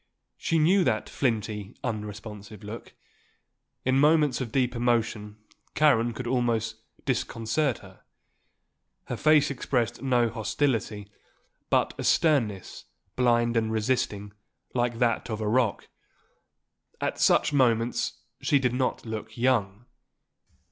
She knew that flinty, unresponsive look. In moments of deep emotion Karen could almost disconcert her. Her face expressed no hostility; but a sternness, blind and resisting, like that of a rock. At such moments she did not look young.